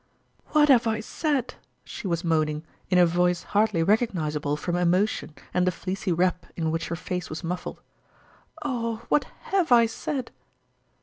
" What have I said ?" she was moaning, in a voice hardly recognizable from emotion and the fleecy wrap in which her face was muffled " oh ! what have I said